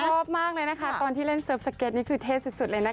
ชอบมากเลยนะคะตอนที่เล่นเซิร์ฟสเก็ตนี่คือเท่สุดเลยนะคะ